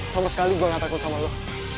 sama sekali gue gak takut sama lo